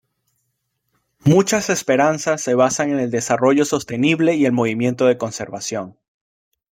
Muchas esperanzas se basan en el desarrollo sostenible y el movimiento de Conservación.